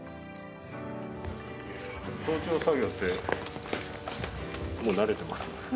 早朝作業ってもう慣れてます？